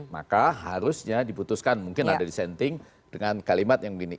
maka harusnya diputuskan mungkin ada dissenting dengan kalimat yang begini